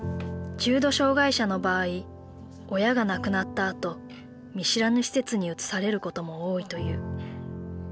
重度障害者の場合親が亡くなったあと見知らぬ施設に移されることも多いという。